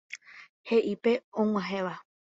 He'i pe og̃uahẽva.